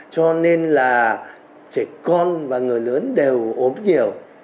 cho nên là trẻ con và người lớn đều ốm nhiều